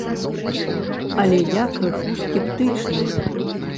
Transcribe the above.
Але я крыху скептычны.